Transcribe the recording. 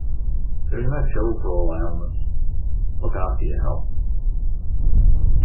There is no pill for all ailments, look after your health.